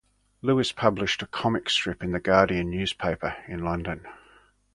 Lewis published a comic strip in "The Guardian" newspaper in London.